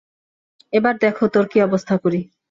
এবার দেখ তোর কী অবস্থা করি।